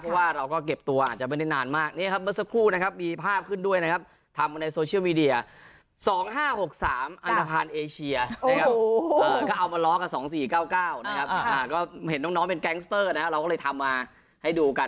เพราะว่าเราก็เก็บตัวอาจจะไม่ได้นานมาก